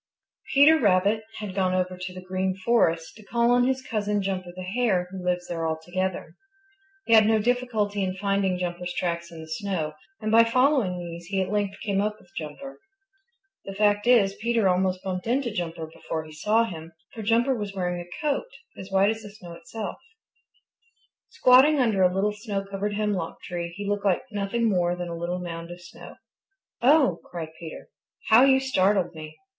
Peter Rabbit had gone over to the Green Forest to call on his cousin, Jumper the Hare, who lives there altogether. He had no difficulty in finding Jumper's tracks in the snow, and by following these he at length came up with Jumper. The fact is, Peter almost bumped into Jumper before he saw him, for Jumper was wearing a coat as white as the snow itself. Squatting under a little snow covered hemlock tree he looked like nothing more than a little mound of snow. "Oh!" cried Peter. "How you startled me!